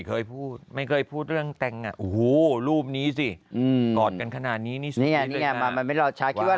เค้ามีเนี้ยเหมือนบอกจะแต่งงานนะตอนนั้น